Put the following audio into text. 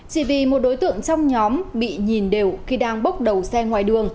chỉ vì một đối tượng trong nhóm bị nhìn đều khi đang bốc đầu xe ngoài đường